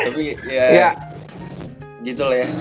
tapi ya gitu lah ya